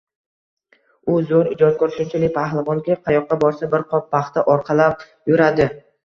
U- zo’r ijodkor. Shunchali “polvon”ki, qayoqqa borsa, bir qop “paxta” orqalab yuradi.